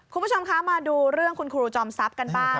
คุณผู้ชมคะมาดูเรื่องคุณครูจอมทรัพย์กันบ้าง